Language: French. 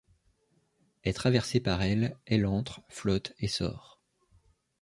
Est traversé par elle ; elle entre, flotte et sort.